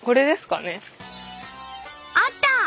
あった！